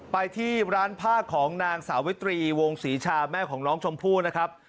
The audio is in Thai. ไปที่ร้านผ้าของนางสาวิตรีวงศรีชาแม่ของน้องชมพู่นะครับ